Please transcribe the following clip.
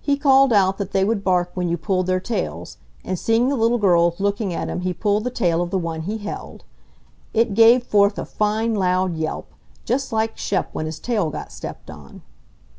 He called out that they would bark when you pulled their tails, and seeing the little girls looking at him he pulled the tail of the one he held. It gave forth a fine loud yelp, just like Shep when his tail got stepped on.